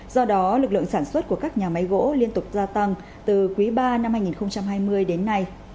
do đó lực lượng sản xuất của các nhà máy gỗ liên tục gia tăng từ quý ba năm hai nghìn hai mươi đến nay